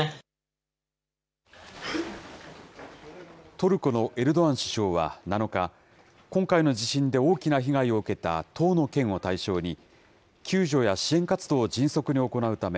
トルコのエルドアン首相は７日、今回の地震で大きな被害を受けた１０の県を対象に、救助や支援活動を迅速に行うため、